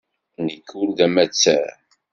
Nekk ur d amattar.